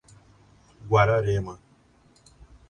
Guararema